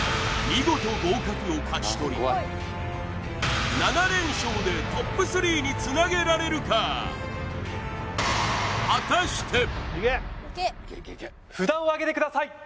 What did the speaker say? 見事合格を勝ち取り７連勝でＴＯＰ３につなげられるか札をあげてください